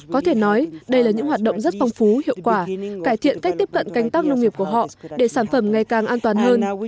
có thể nói đây là những hoạt động rất phong phú hiệu quả cải thiện cách tiếp cận canh tác nông nghiệp của họ để sản phẩm ngày càng an toàn hơn